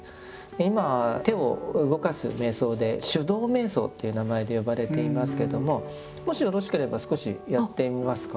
今手を動かす瞑想で「手動瞑想」という名前で呼ばれていますけどももしよろしければ少しやってみますか？